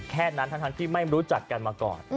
แค่นั้นทั้งที่ไม่รู้จักกันมาก่อน